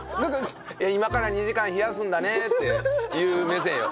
今から２時間冷やすんだねっていう目線よ。